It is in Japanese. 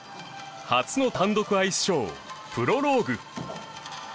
初の単独アイスショー『プロローグ』。